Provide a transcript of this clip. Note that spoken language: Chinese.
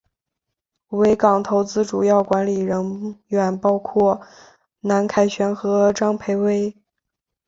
维港投资主要管理人员包括周凯旋和张培薇。